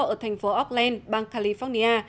ở thành phố auckland bang california